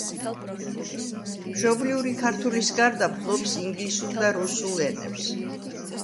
მშობლიური ქართულის გარდა ფლობს ინგლისურ და რუსულ ენებს.